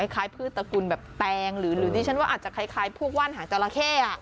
คล้ายพืชตระกุลแป้งหรือดีฉันว่าอาจใช้คัยพวกหวั่นหาจราแข้